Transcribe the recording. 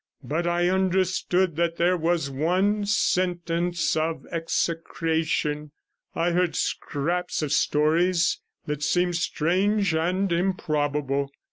But I understood that there was one sentence of execration; I heard scraps of stories that seemed strange and improbable.